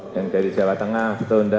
yang dari jawa tengah betul enggak